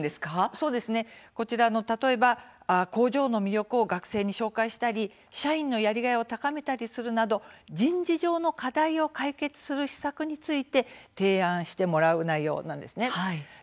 例えば工場の魅力を学生に紹介したり社員のやりがいを高めたりするなど人事上の課題を解決する施策について提案してもらう内容なんです。